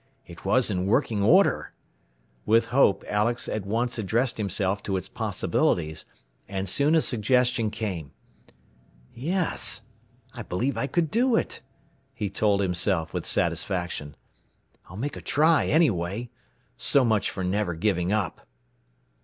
It was in working order! With hope Alex at once addressed himself to its possibilities, and soon a suggestion came. "Yes, I believe I could do it," he told himself with satisfaction. "I'll make a try anyway. So much for never giving up."